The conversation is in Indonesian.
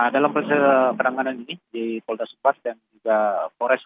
dalam proses penanganan ini di polda supat dan juga forest